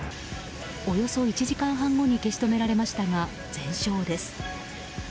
およそ１時間半後に消し止められましたが全焼です。